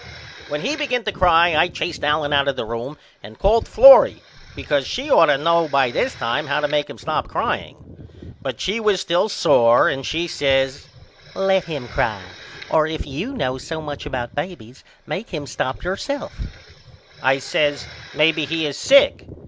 When he begin to cry I chased Allen out of the room and called Florrie because she should ought to know by this time how to make him stop crying. But she was still sore and she says Let him cry or if you know so much about babys make him stop yourself I says Maybe he is sick.